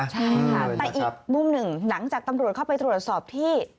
ใช่ค่ะแต่อีกมุมหนึ่งหลังจากตำรวจเข้าไปตรวจสอบที่